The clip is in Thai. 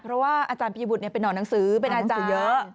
เพราะว่าอาจารย์ปียบุตรเป็นนอนหนังสือเป็นอาจารย์เยอะ